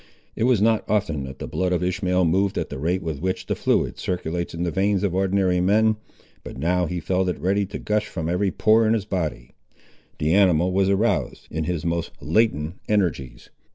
It was not often that the blood of Ishmael moved at the rate with which the fluid circulates in the veins of ordinary men; but now he felt it ready to gush from every pore in his body. The animal was aroused, in his most latent energies.